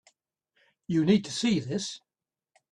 You need to see this.